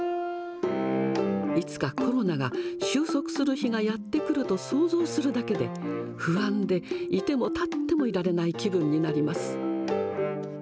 いつかコロナが終息する日がやって来ると想像するだけで、不安でいてもたってもいられない気分になります。